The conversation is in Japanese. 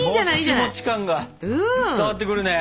もちもち感が伝わってくるね。